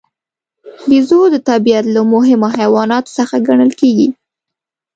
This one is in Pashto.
بیزو د طبیعت له مهمو حیواناتو څخه ګڼل کېږي.